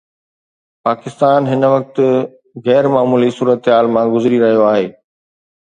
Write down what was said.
پاڪستان هن وقت غير معمولي صورتحال مان گذري رهيو آهي.